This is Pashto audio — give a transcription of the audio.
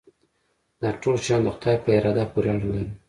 دا ټول شیان د خدای په اراده پورې اړه لري.